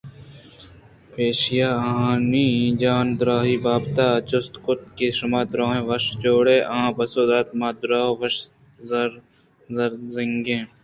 پشّیءَ آہانی جان درٛاہی ءِ بابت ءَ جُست کُت کہ شُما درٛہ وشّ ءُ جوڑئے؟ آہاں پسّہ دات ما درٛہ وشّ ءُ ءُ زِرٛنگیں